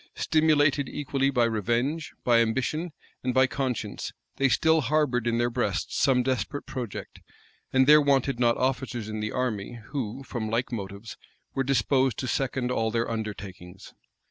Stimulated equally by revenge, by ambition, and by conscience, they still harbored in their breast some desperate project; and there wanted not officers in the army who, from like motives, were disposed to second all their undertakings.